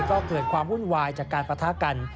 ก็เกิดความวุ่นวายจากการปะทะกัน